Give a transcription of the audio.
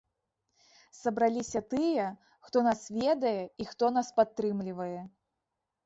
Сабраліся тыя, хто нас ведае і хто нас падтрымлівае.